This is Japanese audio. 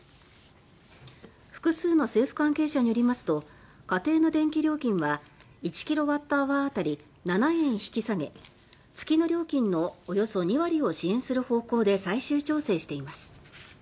複数の政府関係者によりますと家庭の電気料金は１キロワットアワーあたり７円引き下げ月の料金のおよそ２割を支援する方向で最終調整しています。